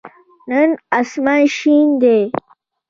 نن آسمان شین دی.